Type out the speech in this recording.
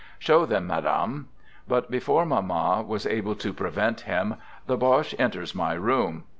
" Show them, madame." But before Mamma was able to prevent him, the Boche enters my room.